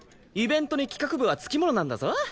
イベントに企画部は付きものなんだぞ！